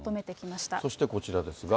そしてこちらですが。